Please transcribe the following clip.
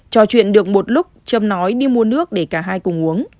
trò chuyện được một lúc trâm nói đi mua nước để cả hai cùng uống